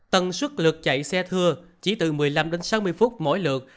tần suất lượt chạy xe thưa chỉ từ một mươi năm sáu mươi phút mỗi lượt